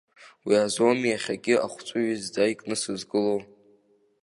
Уи азоуми иахьагьы ахәҵәы ҩызӡа икны сызгылоу.